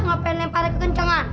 gak pengen lemparnya kekencangan